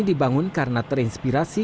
dibangun karena terinspirasi